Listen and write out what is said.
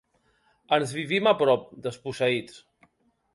Ens vivim a prop, desposseïts.